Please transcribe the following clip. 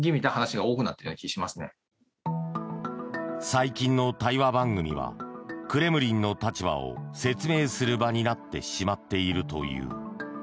最近の対話番組はクレムリンの立場を説明する場になってしまっているという。